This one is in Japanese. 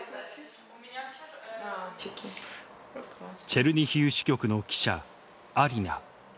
チェルニヒウ支局の記者アリナ。